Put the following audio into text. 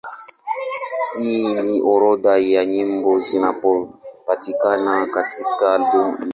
Hii ni orodha ya nyimbo zinazopatikana katika albamu hii.